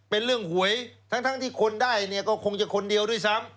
เป็นเรื่องหวยทั้งที่คนได้เนี่ยก็คงจะคนเดียวด้วยซ้ำ